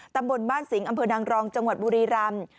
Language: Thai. ตำบลบ้านสิงห์อำเภอนางรองจังหวัดบุรีรำ